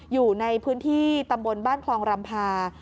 อยู่ในพื้นที่ตำบลบ้านคลองรำพา